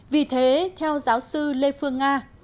vì thế theo giáo sư lê phương nga